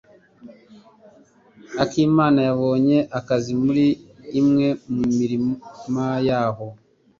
Akimana yabonye akazi muri imwe mu mirima yaho.